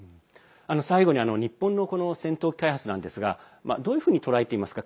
最後に日本の戦闘機開発なんですがどういうふうに捉えていますか？